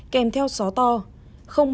kèm theo gió to